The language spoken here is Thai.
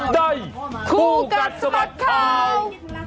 ได้คู่กรัฐสมัดข่าว